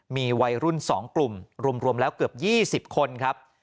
มีวัยรุ่นสองกลุ่มรวมรวมแล้วเกือบยี่สิบคนครับ